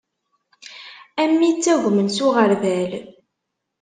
Am wi ittagmen s uɣerbal.